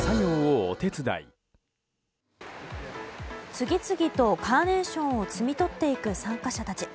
次々とカーネーションを摘み取っていく参加者たち。